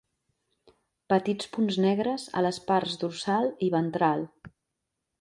Petits punts negres a les parts dorsal i ventral.